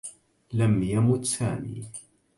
لم يمُت سامي.